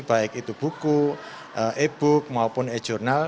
baik itu buku e book maupun e journal